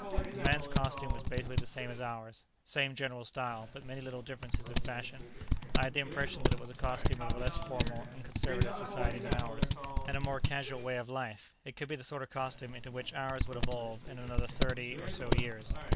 The man's costume was basically the same as ours same general style, but many little differences of fashion. I had the impression that it was the costume of a less formal and conservative society than ours and a more casual way of life. It could be the sort of costume into which ours would evolve in another thirty or so years.